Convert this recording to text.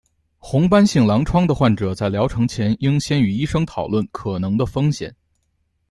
红斑性狼疮的患者在疗程前应先与医生讨论可能的风险。